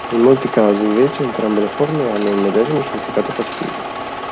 In molti casi, invece, entrambe le forme hanno il medesimo significato passivo.